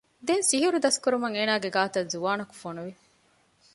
ދެން ސިޙުރު ދަސްކުރުމަށް އޭނާގެ ގާތަށް ޒުވާނަކު ފޮނުވި